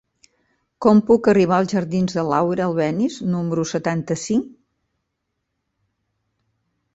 Com puc arribar als jardins de Laura Albéniz número setanta-cinc?